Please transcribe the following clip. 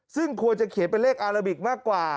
ซึ่งควรจะเขียนเป็นเลขอาราบิกมากกว่า